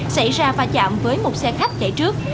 xảy ra va chạm với một xe khách chạy trước